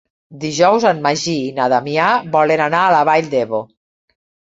Dijous en Magí i na Damià volen anar a la Vall d'Ebo.